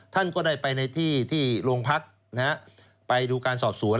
ท่านก็ได้ไปในที่ที่โรงพักนะฮะไปดูการสอบสวน